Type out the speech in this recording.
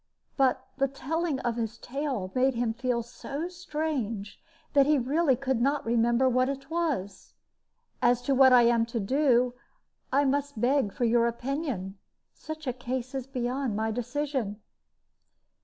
But the telling of his tale made him feel so strange that he really could not remember what it was. As to what I am to do, I must beg for your opinion; such a case is beyond my decision."